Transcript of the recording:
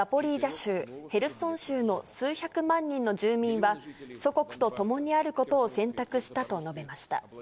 州、ヘルソン州の数百万人の住民は、祖国と共にあることを選択したと述べました。